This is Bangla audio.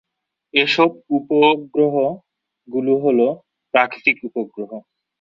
এসব উপগ্রহ গুলি হলো প্রাকৃতিক উপগ্রহ।